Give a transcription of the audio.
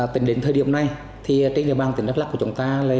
tính đến thời điểm này thì trên địa bàn tỉnh đắk lắc của chúng ta